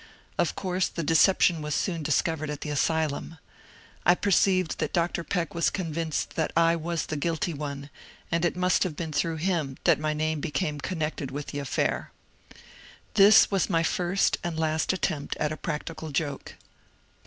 Of course the decep tion was soon discovered at the asylum. I perceived that Dr. Peck was convinced that I was the guilty one, and it must have been through him that my name became connected with the affair. This was my first and last attempt at a practical joke.